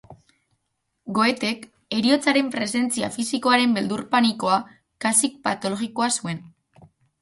Goethek heriotzaren presentzia fisikoaren beldur panikoa, kasik patologikoa zuen.